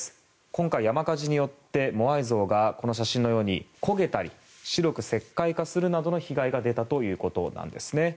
今回、山火事によってモアイ像がこの写真のように焦げたり、白く石灰化するなどの被害が出たということなんですね。